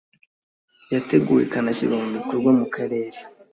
yateguwe ikanashyirwa mu bikorwa mu karere